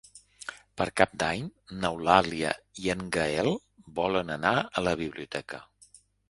Per Cap d'Any n'Eulàlia i en Gaël volen anar a la biblioteca.